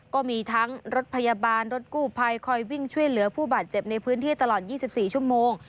ก็มีทั้งรถพยาบาลรถกู้ภัยคอยวิ่งช่วยเหลือผู้บาดเจ็บในพื้นที่ตลอด๒๔ชั่วโมง